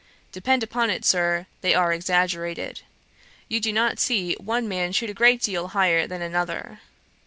Depend upon it, Sir, they are exaggerated. You do not see one man shoot a great deal higher than another.'